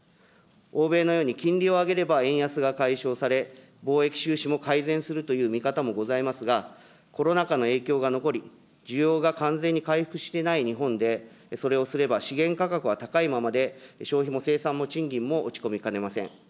欧米のように金利を上げれば円安が解消され、貿易収支も改善するという見方もございますが、コロナ禍の影響が残り、需要が完全に回復していない日本で、それをすれば資源価格は高いままで、消費も生産も賃金も落ち込みかねません。